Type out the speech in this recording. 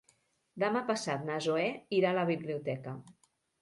Demà passat na Zoè irà a la biblioteca.